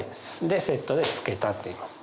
セットで簾桁っていいます。